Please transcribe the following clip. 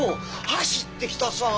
走ってきたさぁ。